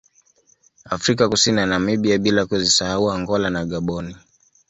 Afrika Kusini na Namibia bila kuzisahau Angola na Gaboni